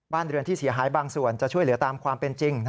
เรือนที่เสียหายบางส่วนจะช่วยเหลือตามความเป็นจริง